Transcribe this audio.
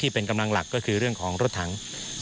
เป็นกำลังหลักก็คือเรื่องของรถถัง